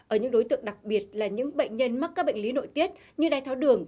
ở những đối tượng đặc biệt là những bệnh nhân mắc các bệnh lý nội tiết như đái tháo đường